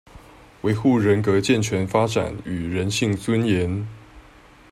維護人格健全發展與人性尊嚴